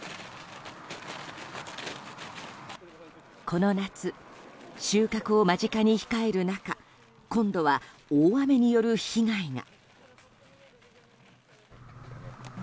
この夏、収穫を間近に控える中今度は大雨による被害が。